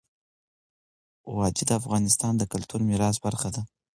وادي د افغانستان د کلتوري میراث برخه ده.